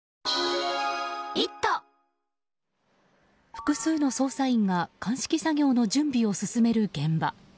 複数の捜査員が鑑識作業の準備を進める現場。